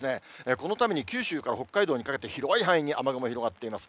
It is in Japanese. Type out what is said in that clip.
このために九州から北海道にかけて、広い範囲に雨雲が広がっています。